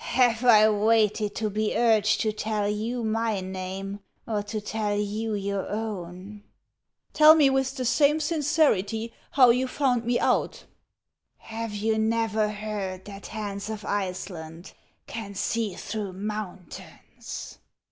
" Have I waited to be urged to tell you my name, or to tell you your own ?"" Tell me with the same sincerity how you found me out ?"" Have you never heard that Hans of Iceland can see through mountains